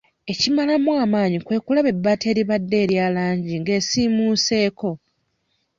Ekimalamu amaanyi kwe kulaba ebbaati eribadde erya langi nga esiimuuseeko..